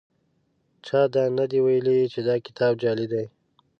چا دا نه دي ویلي چې دا کتاب جعلي دی.